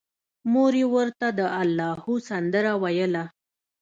مور یې ورته د اللاهو سندره ویله